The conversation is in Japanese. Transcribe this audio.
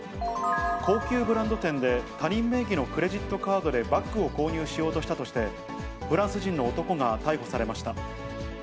高級ブランド店で、他人名義のクレジットカードでバッグを購入しようとしたとして、フランス人の男が逮捕されました。